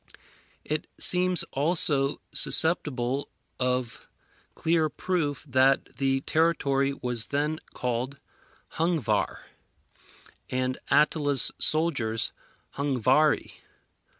It seems also susceptible of clear proof that the territory was then called Hungvar, and Attila's soldiers Hungvari.